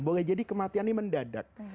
boleh jadi kematian ini mendadak